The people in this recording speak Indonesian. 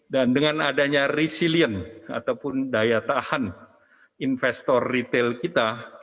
dengan adanya resilient ataupun daya tahan investor retail kita